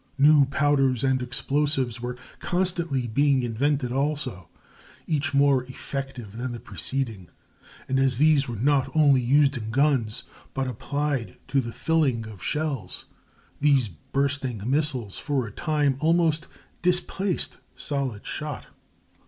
New powders and explosives were constantly being invented also, each more effective than the preceding; and as these were not only used in guns but applied to the filling of shells, these bursting missiles for a time almost displaced solid shot.